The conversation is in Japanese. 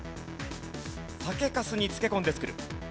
酒粕に漬け込んで作る。